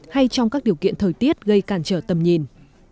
hay trong các điều kiện thời tiết gây cản trở tầm nhìn